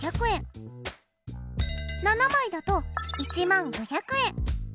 ７枚だと１０５００円。